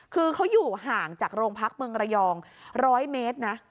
คือเขาอยู่ห่างจากโรงพักเมืองระยอง๑๐๐เมตรนะ